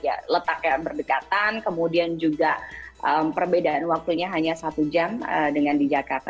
ya letaknya berdekatan kemudian juga perbedaan waktunya hanya satu jam dengan di jakarta